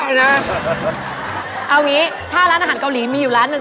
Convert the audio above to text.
เอางี้ถ้าร้านอาหารเกาหลีมีอยู่ร้านหนึ่ง